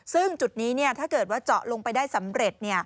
ซึ่งจุดนี้ถ้าเกิดว่าเจาะลงไปได้สำเร็จ